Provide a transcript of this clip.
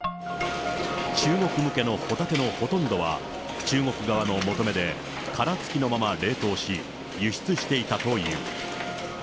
中国向けのホタテのほとんどは、中国側の求めで、殻付きのまま冷凍し、輸出していたという。